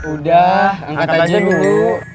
udah angkat aja dulu